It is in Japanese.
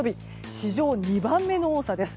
史上２番目の多さです。